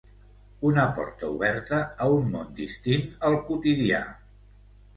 Una porta oberta a un món distint al quotidià...